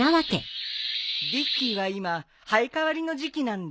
ビッキーは今生え替わりの時期なんだ。